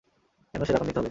কেন সে রাগান্বিত হবে?